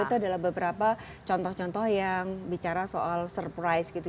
itu adalah beberapa contoh contoh yang bicara soal surprise gitu